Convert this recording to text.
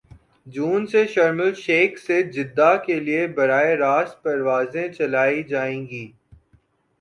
جون سے Sharm el Sheikh سے Jeddah کے لیے براہ راست پروازیں چلائی جائیں گی